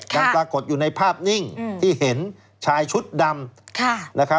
ยังปรากฏอยู่ในภาพนิ่งที่เห็นชายชุดดำ